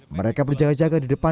mereka berjaga jaga di depan